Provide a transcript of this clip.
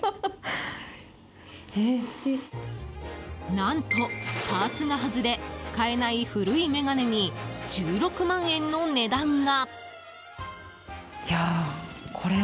何と、パーツが外れ使えない古い眼鏡に１６万円の値段が。